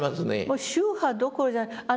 もう宗派どころじゃない。